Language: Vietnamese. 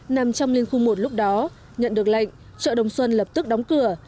nằm trong liên khu một lúc đó nhận được lệnh chợ đồng xuân lập tức đóng cửa